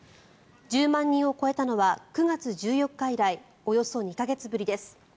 １０万人を超えたのは９月１４日以来およそ２か月ぶりです。